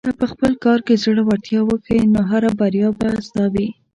که په خپل کار کې زړۀ ورتیا وښیې، نو هره بریا به ستا وي.